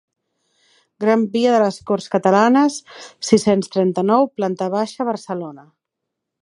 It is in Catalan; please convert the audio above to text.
Gran Via de les Corts Catalanes, sis-cents trenta-nou, planta baixa, Barcelona.